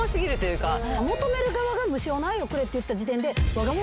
求める側が「無償の愛をくれ」って言った時点で。